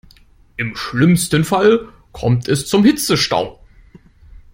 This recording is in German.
Im schlimmsten Fall kommt es zum Hitzestau.